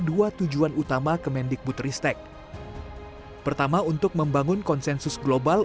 dua tujuan utama kemendikbutristek pertama untuk membangun konsensus global